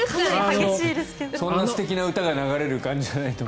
そんな素敵な歌が流れる感じじゃないと思う。